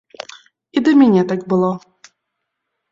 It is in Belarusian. І да мяне так было.